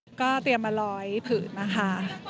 ก็เตรียมมาร้อยผืนนะคะ